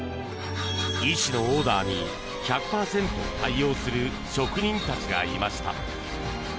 医師のオーダーに１００％対応する職人たちがいました。